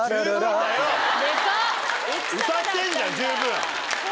歌ってんじゃん十分。